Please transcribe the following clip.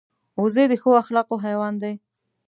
وزې د ښو اخلاقو حیوان دی